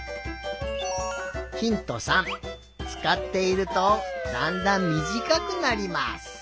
つかっているとだんだんみじかくなります。